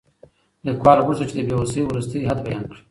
لیکوال غوښتل چې د بې وسۍ وروستی حد بیان کړي.